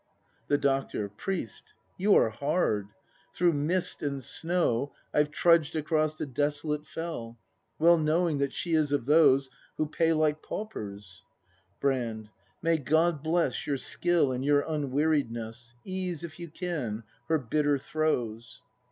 The Doctor. Priest, you are hard. Through mist and snow I've trudged across the desolate fell, Well knowing that she is of those Who pay like paupers. Brand. May God bless Your skill and your unweariedness! Ease, if you can, her bitter throes.